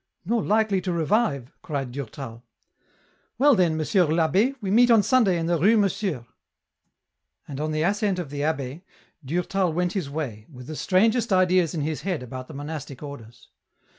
" Nor likely to revive," cried Durtal. " Well then, Monsieur I'Abbe, we meet on Sunday in the Rue Monsieur ?" 102 EN ROUTE. And on the assent of the abb^, Durtal went his way, with the strangest ideas in his head about the monastic orders.